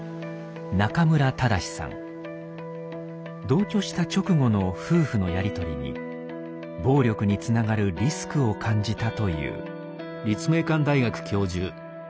同居した直後の夫婦のやりとりに暴力につながるリスクを感じたという。